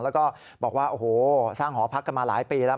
แล้วก็บอกว่าโอ้โหสร้างหอพักกันมาหลายปีแล้ว